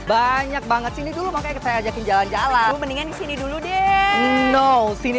banyak banget sini dulu makanya saya ajakin jalan jalan mendingan kesini dulu deh no sini